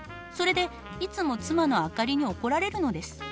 それでいつも妻の灯に怒られるのです。